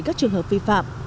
các trường hợp vi phạm